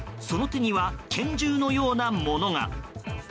その手には拳銃のようなものが。